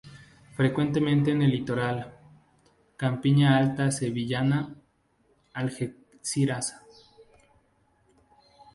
Frecuente en el Litoral, Campiña Alta sevillana, Algeciras.